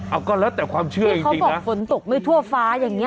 เอาก็แล้วแต่ความเชื่อเขาบอกฝนตกไม่ทั่วฟ้าอย่างนี้